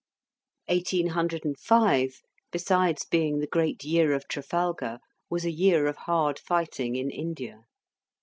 Eighteen hundred and five, besides being the great year of Trafalgar, was a year of hard fighting in India.